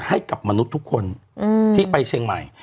ให้กับมนุษย์ทุกคนที่ไปเชียงใหม่